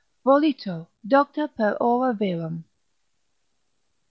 volito docta per ora virum.